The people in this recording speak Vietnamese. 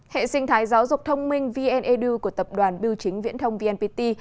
hệ sinh thái giáo dục thông minh vn edu của tập đoàn biêu chính viễn thông vnpt